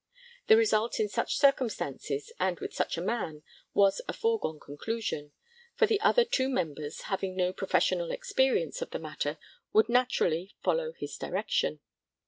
The result in such circumstances and with such a man was a foregone conclusion, for the other two members, having no professional experience of the matter, would naturally follow his direction.